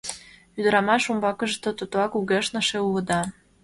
Ӱдырамаш умбакыже тототла: — Кугешныше улыда.